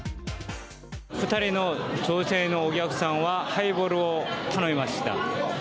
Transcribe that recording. ２人の女性のお客さんはハイボールを頼みました。